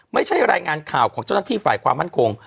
ไม่ใช่รายงานข่าวของเจ้าหน้าที่ฝ่ายความมั่นคง